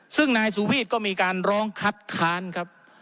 ซึ่งนายสุวีทก็มีการร้องคัดค้านครับ